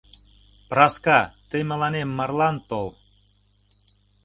Проска, тый мыланем марлан тол.